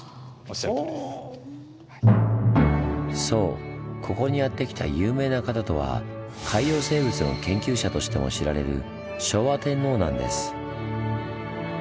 そうここにやって来た有名な方とは海洋生物の研究者としても知られる昭和天皇なんです。